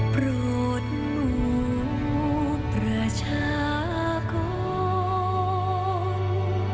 ปรุธมุพระชากร